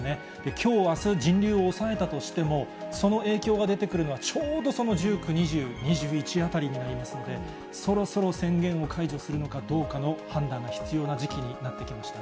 きょう、あす、人流を抑えたとしても、その影響が出てくるのは、ちょうどその１９、２０、２１あたりになりますので、そろそろ宣言を解除するのかどうかの判断が必要な時期になってきました。